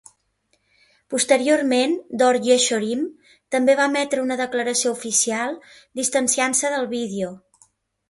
Posteriorment Dor Yeshorim també va emetre una declaració oficial distanciant-se del vídeo.